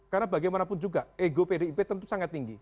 karena bagaimanapun juga ego pdip tentu sangat tinggi